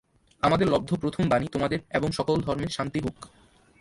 আমাদের লব্ধ প্রথম বাণী তোমাদের এবং সকল ধর্মের শান্তি হউক।